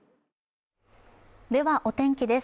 ではお天気です。